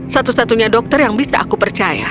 satu satunya dokter yang bisa aku percaya